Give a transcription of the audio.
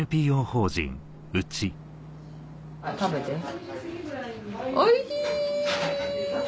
食べておいし。